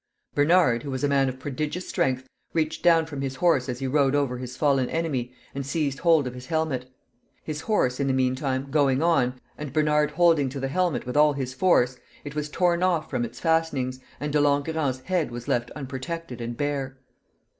Bernard, who was a man of prodigious strength, reached down from his horse as he rode over his fallen enemy, and seized hold of his helmet. His horse, in the mean time, going on, and Bernard holding to the helmet with all his force, it was torn off from its fastenings, and De Langurant's head was left unprotected and bare.